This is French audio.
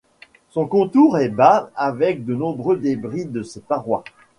Son contours est bas avec de nombreux débris de ses parois.